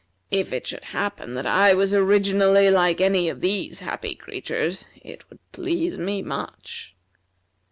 If it should happen that I was originally like any of these happy creatures it would please me much."